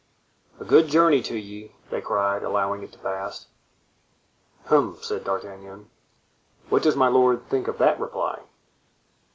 "A good journey to ye," they cried, allowing it to pass. "Hem!" said D'Artagnan, "what does my lord think of that reply?"